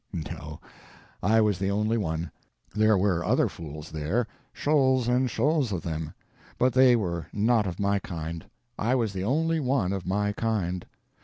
No, I was the only one. There were other fools there—shoals and shoals of them—but they were not of my kind. I was the only one of my kind.